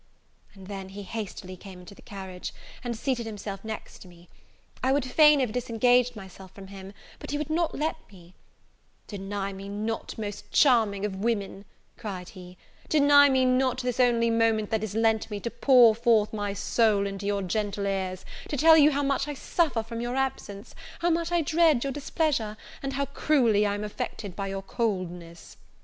And then he hastily came into the chariot, and seated himself next to me. I would fain have disengaged myself from him, but he would not let me: "Deny me not, most charming of women," cried he, "deny me not this only moment that is lent me, to pour forth my soul into your gentle ears, to tell you how much I suffer from your absence, how much I dread your displeasure, and how cruelly I am affected by your coldness!"